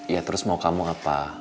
ya terus mau kamu apa